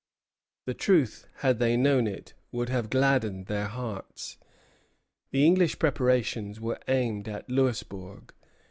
The truth, had they known it, would have gladdened their hearts. The English preparations were aimed at Louisbourg.